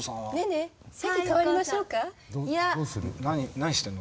何してんの。